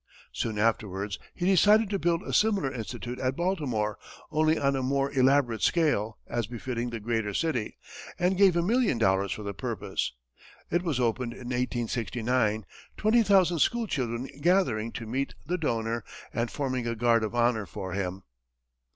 Soon afterwards, he decided to build a similar Institute at Baltimore, only on a more elaborate scale, as befitting the greater city, and gave a million dollars for the purpose. It was opened in 1869, twenty thousand school children gathering to meet the donor and forming a guard of honor for him.